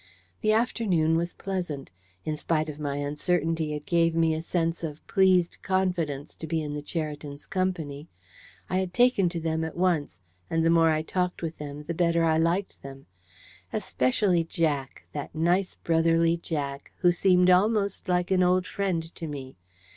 The afternoon was pleasant. In spite of my uncertainty, it gave me a sense of pleased confidence to be in the Cheritons' company. I had taken to them at once: and the more I talked with them, the better I liked them. Especially Jack, that nice brotherly Jack, who seemed almost like an old friend to me.